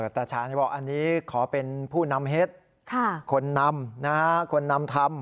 ตาชานี้บอกขอเป็นผู้นำเฮ็ดคนนำคนนำธรรม